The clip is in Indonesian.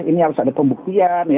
ini harus ada pembuktian